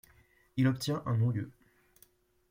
Il obtient un non-lieu.